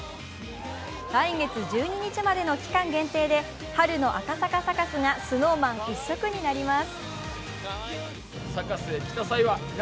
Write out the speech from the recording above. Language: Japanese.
来月１２日までの期間限定で春の赤坂サカスがＳｎｏｗＭａｎ一色になります。